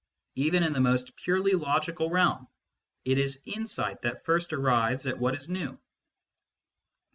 Even in the most purely logical realm, it is insight that first arrives at what is new.